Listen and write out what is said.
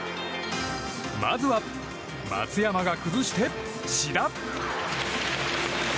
まずは松山が崩して志田！